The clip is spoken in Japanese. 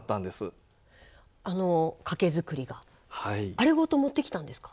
あれごと持ってきたんですか？